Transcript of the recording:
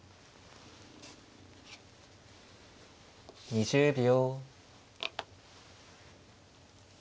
２０秒。